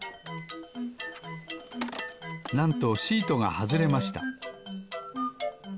なんとシートがはずれました。